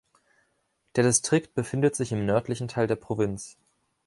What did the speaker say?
Der Distrikt befindet sich im nördlichen Teil der Provinz.